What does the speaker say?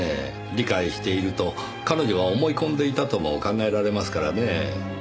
理解していると彼女が思い込んでいたとも考えられますからねぇ。